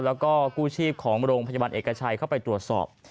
แล้วก็กู้ชีพของโรงพยาบาลเอกชัยเข้าไปตรวจสอบ